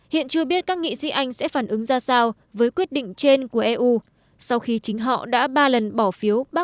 hiện chưa biết các nghị sĩ anh sẽ phản ứng ra sao với quyết định trên của eu sau khi chính họ đã ba lần bỏ phiếu